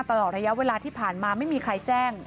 ตลอดระยะเวลาที่ผ่านมาไม่มีใครแจ้ง